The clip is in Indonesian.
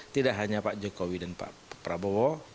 tidak hanya pak jokowi dan pak prabowo